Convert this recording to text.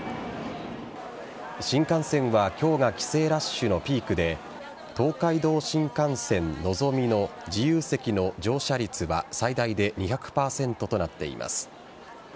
新幹線は今日が帰省ラッシュのピークで東海道新幹線のぞみの自由席の乗車率は最大で２００％となっています。